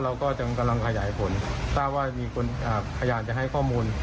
เราก็ยังกำลังขยายผลทราบว่ามีคนพยานจะให้ข้อมูล